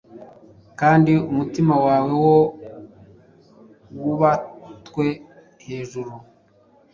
Kandi umutima wawe woe wubatwe hejuru,